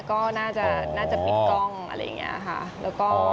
ก็น่าจะปิดกล้องอะไรอย่างนี้ค่ะ